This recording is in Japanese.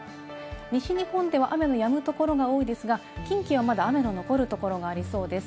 西日本では雨のやむところが多いですが、近畿はまだ雨の残るところがありそうです。